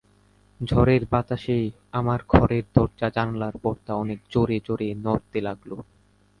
ঝড়ের বাতাসে আমার ঘরের দরজা-জানালার পর্দা অনেক জোরে জোরে নড়তে লাগল।